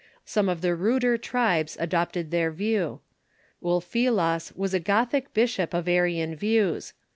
Some of the ruder tribes adopted their view. Ulfilas was a Gothic bishop of Arian views.